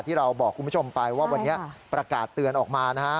ที่เราบอกคุณผู้ชมไปว่าวันนี้ประกาศเตือนออกมานะฮะ